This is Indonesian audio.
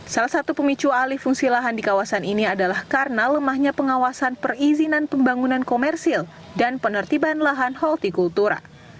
salah satu pemicu alih fungsi lahan di kawasan ini adalah karena lemahnya pengawasan perizinan pembangunan komersil dan penertiban lahan holti kultura